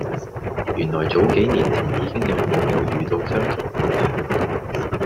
原來早幾年前已經有網友遇到相同問題